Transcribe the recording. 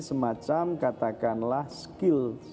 semacam katakanlah skill